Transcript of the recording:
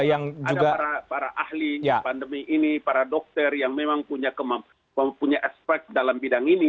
ada para ahli pandemi ini para dokter yang memang mempunyai aspek dalam bidang ini